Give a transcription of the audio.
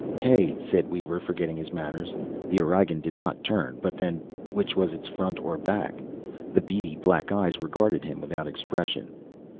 "Hey!" said Weaver, forgetting his manners. The Aurigean did not turn but then, which was its front, or back? The beady black eyes regarded him without expression.